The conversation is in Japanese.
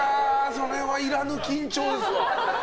それはいらぬ緊張ですわ。